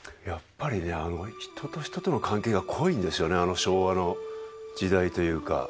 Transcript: やっぱりね、人と人との関係が濃いんですよね、あの昭和の時代というか。